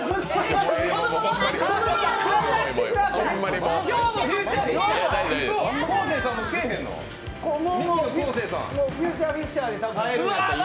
もうフューチャーフィッシャーで。